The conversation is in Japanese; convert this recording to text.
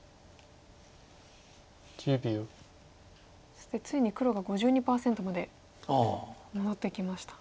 そしてついに黒が５２％まで戻ってきました。